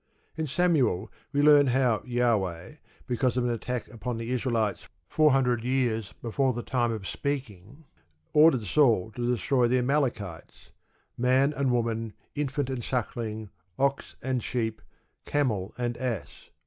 _ In Samuel we learn how Jahweh, because of an attack upon the Israelites four hundred years before the time of speaking, ordered Saul to destroy the Amalekites, "man and woman, infant and suckling, ox and sheep, camel and ass."